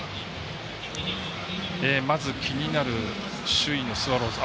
まず、気になる首位のスワローズ。